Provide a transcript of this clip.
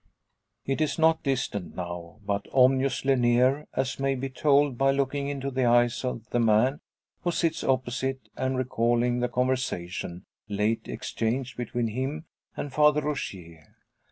It is not distant now, but ominously near, as may be told by looking into the eyes of the man who sits opposite, and recalling the conversation late exchanged between him and Father Rogier.